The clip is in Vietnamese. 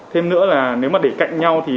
thêm nữa là nếu mà để cạnh nhau thì